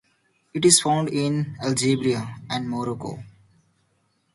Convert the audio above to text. It is found in Algeria and Morocco.